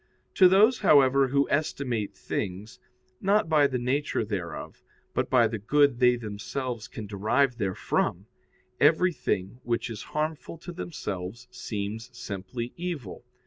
To those, however, who estimate things, not by the nature thereof, but by the good they themselves can derive therefrom, everything which is harmful to themselves seems simply evil.